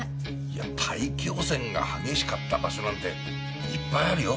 いや大気汚染が激しかった場所なんていっぱいあるよ。